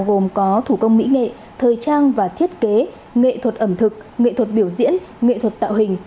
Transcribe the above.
gồm có thủ công mỹ nghệ thời trang và thiết kế nghệ thuật ẩm thực nghệ thuật biểu diễn nghệ thuật tạo hình